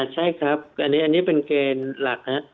ใช่ครับอันนี้เป็นเกณฑ์หลักนะครับ